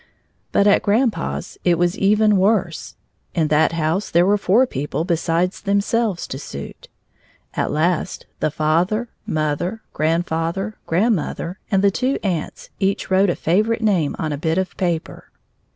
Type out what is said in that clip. But at grandpa's it was even worse. In that house there were four people besides themselves to suit. At last, the father, mother, grandfather, grandmother, and the two aunts each wrote a favorite name on a bit of paper.